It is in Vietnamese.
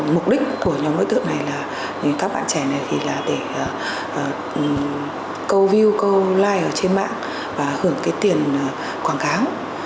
mục đích của nhóm đối tượng này là các bạn trẻ này để câu view câu like trên mạng và hưởng tiền quảng cáo